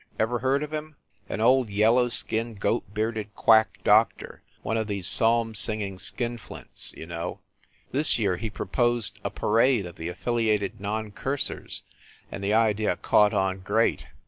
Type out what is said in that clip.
Every heard of him? An old, yellow skinned, goat bearded quack doctor, one of these psalm singing skinflints you know ! This year he proposed a parade of the Affiliated Non Cursers; and the idea caught on great.